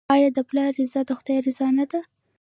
آیا د پلار رضا د خدای رضا نه ده؟